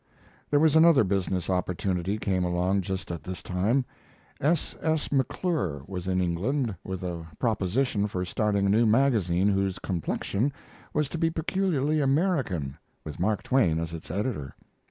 There was another business opportunity came along just at this time. S. S. McClure was in England with a proposition for starting a new magazine whose complexion was to be peculiarly American, with Mark Twain as its editor.